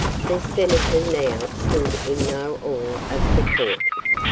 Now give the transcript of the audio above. The senator now stood in no awe of the Court.